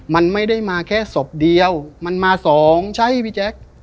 มันไม่ได้มาแค่ศพเดียวมันมาสองใช่พี่แจ๊ค